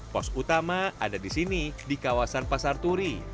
pos utama ada di sini di kawasan pasar turi